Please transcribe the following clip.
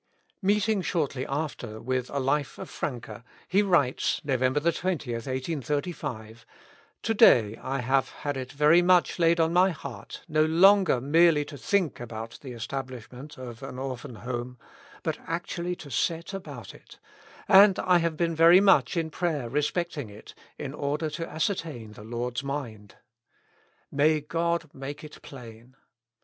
Meeting shortly after with a life of Franke, he writes (Nov. 20, 1835): *' To day I have had it very much laid on my heart no longer merely to think about the establishment of an Orphan Home, but actually to set about it, and I have been very much in prayer respecting it, in order to ascertain the Lord's mind. May God make it plain."